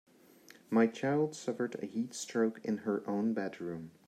My child suffered a heat stroke in her own bedroom.